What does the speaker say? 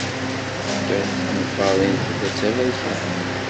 Tiṭ n Faḍil tella d taberkant.